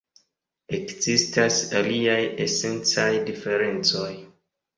Ekzistas aliaj esencaj diferencoj.